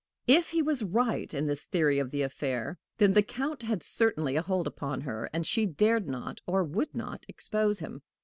If he was right in this theory of the affair, then the Count had certainly a hold upon her, and she dared not or would not expose him!